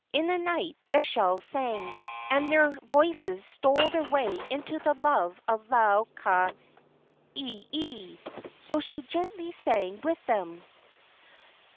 In the night the shells sang, and their voices stole their way into the love of Lau ka ieie, so she gently sang with them.